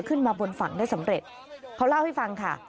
ขึ้นมาบนฝั่งได้สำเร็จเขาเล่าให้ฟังค่ะ